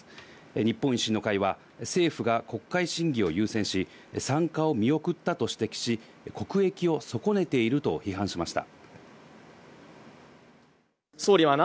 日本維新の会は政府が国会審議を優先し、参加を見送ったと指摘し、国益を損ねていると批判しました。